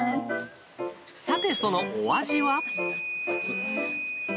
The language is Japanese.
さて、そのお味は？